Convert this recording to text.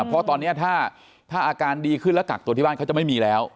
เพราะตอนนี้ถ้าอาการดีขึ้นแล้วกักตัวที่บ้านเขาจะไม่มีแล้ว